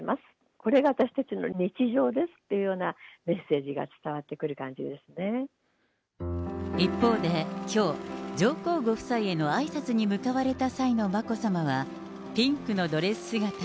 これが私たちの日常ですっていうようなメッセージが伝わってくる一方できょう、上皇ご夫妻へのあいさつに向かわれた際の眞子さまは、ピンクのドレス姿。